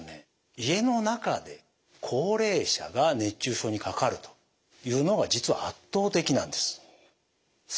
家の中で高齢者が熱中症にかかるというのが実は圧倒的なんです。